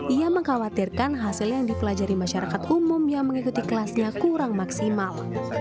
ia mengkhawatirkan hasil yang dipelajari masyarakat umum yang mengikuti kelasnya kurang maksimal